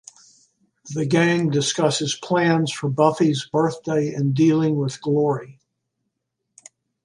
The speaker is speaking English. The gang discusses plans for Buffy's birthday and dealing with Glory.